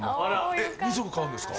えっ２足買うんですか？